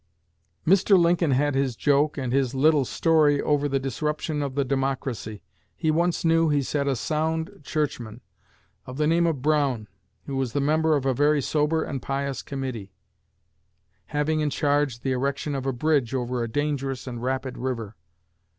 "Mr. Lincoln had his joke and his 'little story' over the disruption of the Democracy. He once knew, he said, a sound churchman, of the name of Brown, who was the member of a very sober and pious committee, having in charge the erection of a bridge over a dangerous and rapid river.